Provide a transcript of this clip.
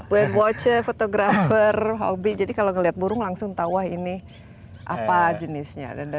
birdwatcher fotografer hobi jadi kalau melihat burung langsung tahu ini apa jenisnya